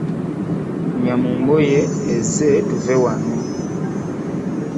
Kunya mu ngoye eze tube wano.